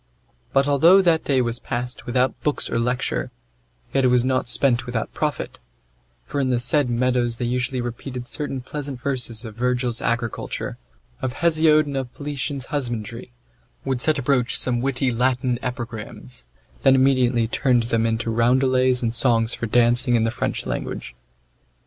But although that day was passed without books or lecture, yet was it not spent without profit; for in the said meadows they usually repeated certain pleasant verses of Virgil's agriculture, of Hesiod and of Politian's husbandry, would set a broach some witty Latin epigrams, then immediately turned them into roundelays and songs for dancing in the French language.